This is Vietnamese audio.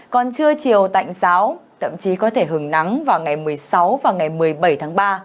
còn trưa chiều tạnh giáo thậm chí có thể hứng nắng vào ngày một mươi sáu và ngày một mươi bảy tháng ba